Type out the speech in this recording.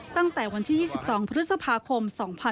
ตั้งแต่วันที่๒๒พฤษภาคม๒๕๖๒